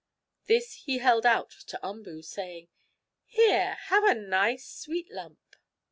This he held out to Umboo, saying: "Here; have a nice, sweet lump!"